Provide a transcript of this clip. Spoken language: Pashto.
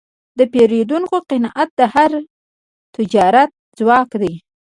د پیرودونکي قناعت د هر تجارت ځواک دی.